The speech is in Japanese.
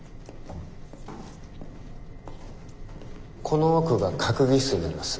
この奥が閣議室になります。